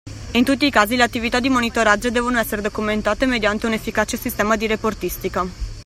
In tutti i casi le attività di monitoraggio devono essere documentate mediante un efficace sistema di reportistica.